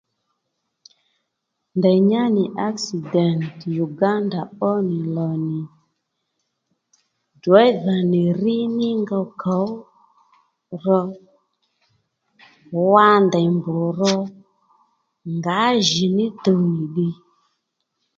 Ndèy nyá nì sksident Uganda ó nì lò nì driva nì rí ní ngow kǒw ro, wa ndèy mb ro ngǎjìní tuw nì ddiy